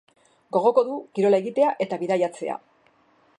Gogoko du kirola egitea eta bidaiatzea.